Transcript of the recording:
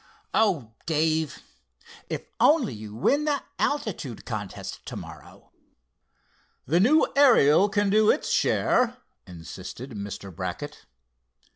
"Oh, Dave, if you only win the altitude contest to morrow!" "The new Ariel can do its share," insisted Mr. Brackett.